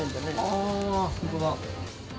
あー、本当だ。